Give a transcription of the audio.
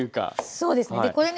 そうですね。